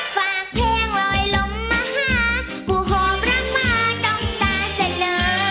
ฝากเพลงลอยลมมาหาผู้หอมรักมาต้องตาเสนอ